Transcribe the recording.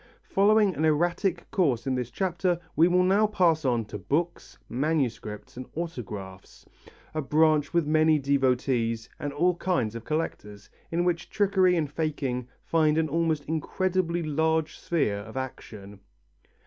Following an erratic course in this chapter, we will now pass on to books, manuscripts and autographs, a branch with many devotees and all kinds of collectors, in which trickery and faking find an almost incredibly large sphere of action.